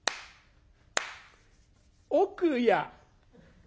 「奥や」。